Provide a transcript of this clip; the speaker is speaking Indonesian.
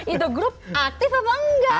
itu grup aktif apa enggak